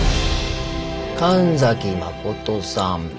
神崎真さん。